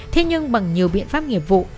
thế nhưng bằng nhiều biện pháp nghiệp vụ